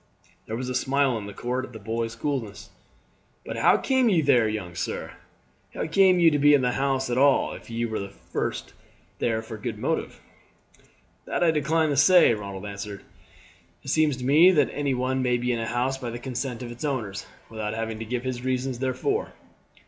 There was a smile in the court at the boy's coolness. "But how came ye there, young sir? How came ye to be in the house at all, if ye were there for a good motive?" "That I decline to say," Ronald answered. "It seems to me that any one may be in a house by the consent of its owners, without having to give his reasons therefor."